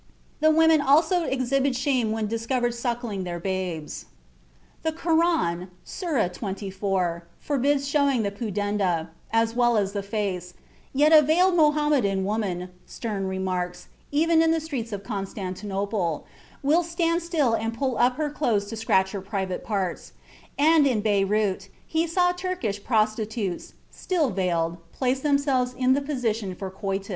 The women also exhibit shame when discovered suckling their babies. (Zeitschrift für Ethnologie, 1878, pp. 27 31.) The Koran (Sura XXIV) forbids showing the pudenda, as well as the face, yet a veiled Mohammedan woman, Stern remarks, even in the streets of Constantinople, will stand still and pull up her clothes to scratch her private parts, and in Beyrout, he saw Turkish prostitutes, still veiled, place themselves in the position for coitus.